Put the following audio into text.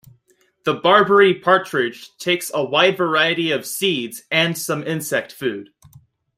The Barbary partridge takes a wide variety of seeds and some insect food.